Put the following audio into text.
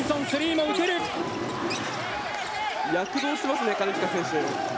躍動してますね金近選手。